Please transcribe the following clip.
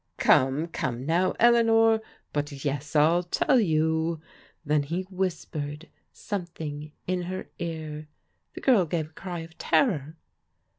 " Come, come now, Eleanor, — ^but, yes, I'll tell you." Then he whispered something in her ear. The girl gave a cry of terror.